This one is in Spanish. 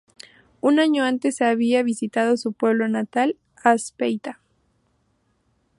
Un año antes había visitado su pueblo natal, Azpeitia.